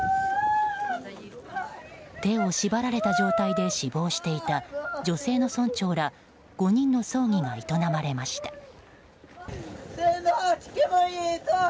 手を縛られた状態で死亡していた女性の村長ら５人の葬儀が営まれました。